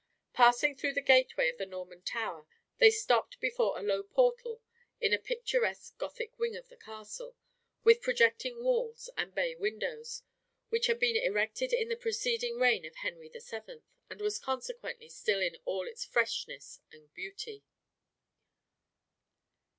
Passing through the gateway of the Norman Tower, they stopped before a low portal in a picturesque Gothic wing of the castle, with projecting walls and bay windows, which had been erected in the preceding reign of Henry the Seventh, and was consequently still in all its freshness and beauty.